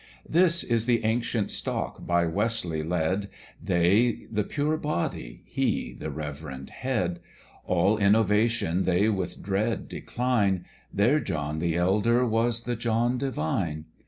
This is the ancient stock by Wesley led; They the pure body, he the reverend head: All innovation they with dread decline, Their John the elder was the John divine.